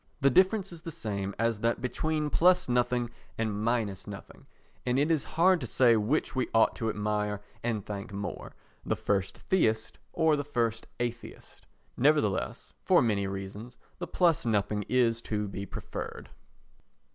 The difference is the same as that between plus nothing and minus nothing, and it is hard to say which we ought to admire and thank most—the first theist or the first atheist. Nevertheless, for many reasons, the plus nothing is to be preferred.